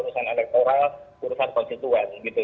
itu urusannya urusan elektoral urusan konstituen gitu